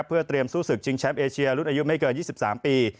เพื่อเตรียมสู้ศึกชิงแชมป์เอเชียรุ่นอายุไม่เกิน๒๓ปี